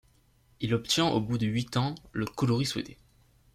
Il obtient au bout de huit ans le coloris souhaité.